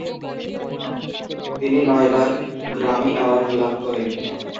তিনি নয়বার Grammy award লাভ করেন।